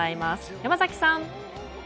山崎さん！